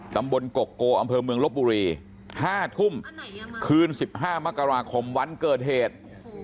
ตำบลกกโกอำเภอเมืองลบบุรี๕ทุ่มคืน๑๕มกราคมวันเกิดเหตุ